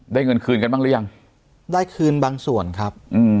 เงินคืนกันบ้างหรือยังได้คืนบางส่วนครับอืม